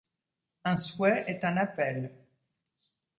Un souhait est un appel.